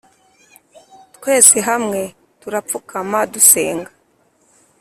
twese hamwe turapfukama dusenga